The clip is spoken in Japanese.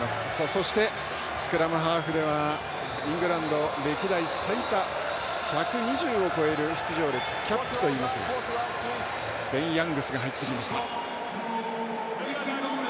そして、スクラムハーフではイングランド歴代最多１２０を超える出場歴キャップといいますベン・ヤングスが入ってきました。